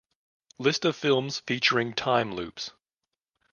List of films featuring time loops